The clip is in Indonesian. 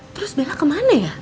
terus bella kemana ya